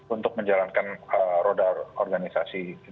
untuk menjalankan roda organisasi itu dengan baik